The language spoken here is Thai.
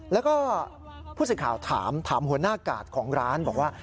แล้วก็ผู้สื่อข่าวถามถามหัวหน้ากาดของร้านบอกว่า